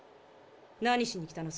何しに来たの？